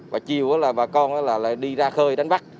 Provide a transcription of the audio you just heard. và chiều là bà con là đi ra khơi đánh bắt